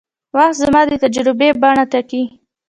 وخت زموږ د تجربې بڼه ټاکي.